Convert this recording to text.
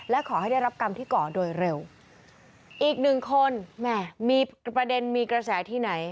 และขอให้ได้รับกรรมที่ก่อโดยเร็วอีกหนึ่งคนแหม่มีประเด็นมีกระแสที่ไหน